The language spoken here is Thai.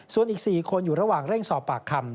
ส่วนอีก๔คนอยู่ระหว่างเร่งสอบปากคำ